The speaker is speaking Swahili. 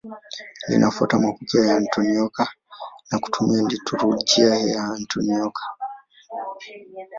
Linafuata mapokeo ya Antiokia na kutumia liturujia ya Antiokia.